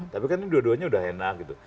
tapi kan ini dua duanya udah enak gitu